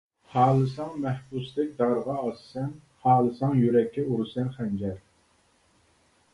خالىساڭ مەھبۇستەك دارغا ئاسىسەن، خالىساڭ يۈرەككە ئۇرىسەن خەنجەر.